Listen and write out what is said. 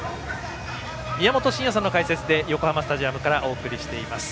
宮本慎也さんの解説で横浜スタジアムからお送りしています。